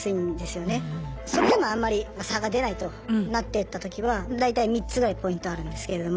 それでもあんまり差が出ないとなってったときは大体３つぐらいポイントあるんですけれども。